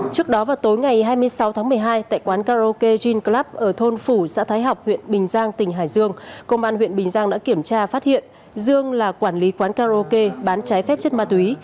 trước đó vào tối ngày hai mươi sáu tháng một mươi hai tại quán karaoke jean club ở thôn phủ xã thái học huyện bình giang tỉnh hải dương công an huyện bình giang đã kiểm tra phát hiện dương là quản lý quán karaoke bán trái phép chất ma túy